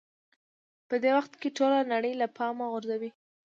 په دې وخت کې ټوله نړۍ له پامه غورځوئ.